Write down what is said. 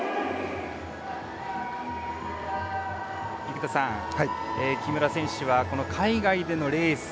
生田さん木村選手はこの海外でのレース